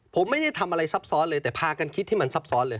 ผมไม่ได้ทำอะไรซับซ้อนเลยแต่พากันคิดที่มันซับซ้อนเลย